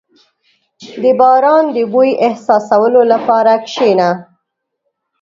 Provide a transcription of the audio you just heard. • د باران د بوی احساسولو لپاره کښېنه.